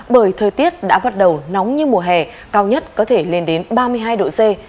bởi thời tiết đã bắt đầu nóng như mùa hè cao nhất có thể lên đến ba mươi hai độ c